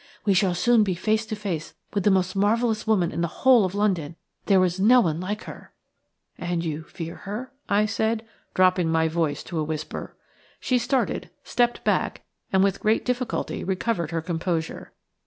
"We shall soon be face to face with the most marvellous woman in the whole of London. There is no one like her." "And you – fear her?" I said, dropping my voice to a whisper. She started, stepped back, and with great difficulty recovered her composure.